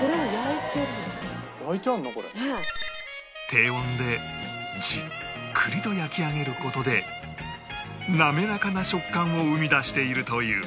低温でじっくりと焼き上げる事で滑らかな食感を生み出しているという